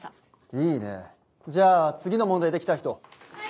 いいねじゃあ次の問題できた人。